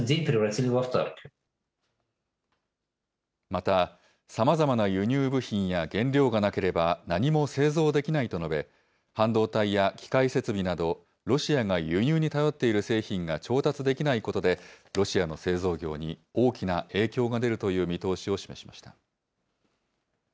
また、さまざまな輸入部品や原料がなければ何も製造できないと述べ、半導体や機械設備など、ロシアが輸入に頼っている製品が調達できないことで、ロシアの製造業に大きな影響が出るという見通しを示しました。